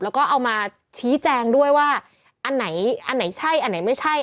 แล้วก็เอามาชี้แจงด้วยว่าอันไหนอันไหนใช่อันไหนไม่ใช่